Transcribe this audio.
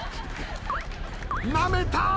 なめた。